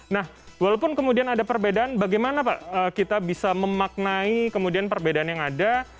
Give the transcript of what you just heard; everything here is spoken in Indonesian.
nah walaupun kemudian ada perbedaan bagaimana pak kita bisa memaknai kemudian perbedaan yang ada